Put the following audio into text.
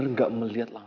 lo pergi dari sini